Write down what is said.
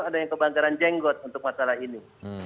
ada yang kebanggaran jenggot untuk masalah ini